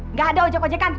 nggak ada ojek ojekan